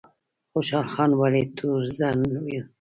خوشحال خان ولې تورزن و؟